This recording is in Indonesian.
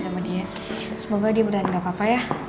semoga dia berani gak apa apa ya